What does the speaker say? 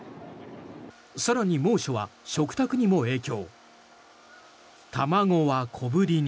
更に猛暑は食卓にも影響。